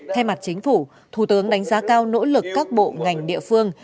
thay mặt chính phủ thủ tướng đánh giá cao nỗ lực các bộ ngành địa phương